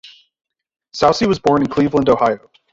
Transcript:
Soucie was born in Cleveland, Ohio.